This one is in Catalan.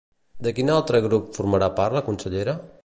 De quin altre grup formarà part la consellera?